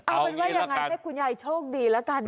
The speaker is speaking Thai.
เอาเป็นว่ายังไงให้คุณยายโชคดีแล้วกัน